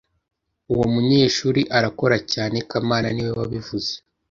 Uwo munyeshuri arakora cyane kamana niwe wabivuze